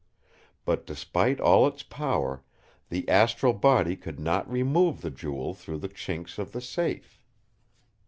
But despite all its power, the astral body could not remove the Jewel through the chinks of the safe.